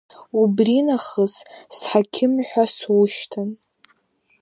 Убринахыс сҳақьым ҳәа сушьҭан.